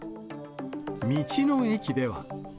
道の駅では。